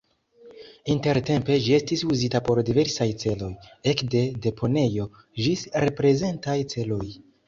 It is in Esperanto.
Intertempe ĝi estis uzita por diversaj celoj, ekde deponejo ĝis reprezentaj celoj.